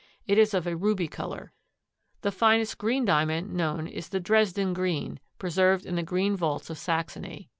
It is of a ruby color. The finest green Diamond known is the "Dresden Green" preserved in the Green Vaults of Saxony.